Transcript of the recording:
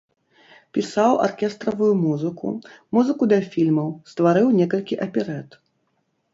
Пісаў аркестравую музыку, музыку да фільмаў, стварыў некалькі аперэт.